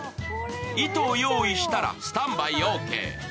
糸を用意したらスタンバイオーケー。